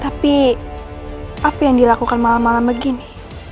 tapi apa yang dilakukan malam malam begini